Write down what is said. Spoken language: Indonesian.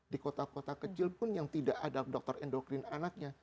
di kota kota kecil pun yang tidak ada dokter endokrin anaknya